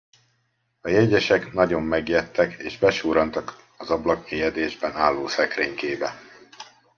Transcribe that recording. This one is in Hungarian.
A jegyesek nagyon megijedtek, és besurrantak az ablakmélyedésben álló szekrénykébe.